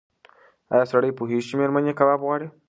ایا سړی پوهېږي چې مېرمن یې کباب غواړي؟